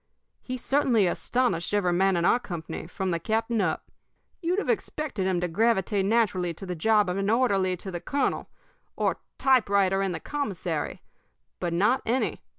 He certainly astonished every man in our company, from the captain up. You'd have expected him to gravitate naturally to the job of an orderly to the colonel, or typewriter in the commissary but not any.